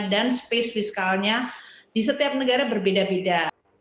dan space fiskalnya di setiap negara berbeda beda